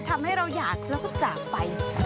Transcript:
ทำให้เราอยากแล้วก็จากไป